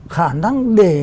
khả năng để